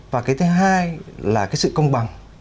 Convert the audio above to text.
và cái thứ hai là cái sự công bằng